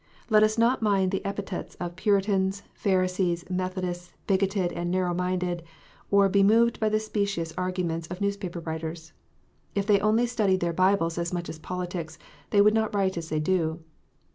Let us not mind the epithets of Puritans, Pharisees, Methodists, bigoted and narrow minded, or be moved by the specious arguments of newspaper writers. If they only studied their Bibles as much as politics, they would not write as they do.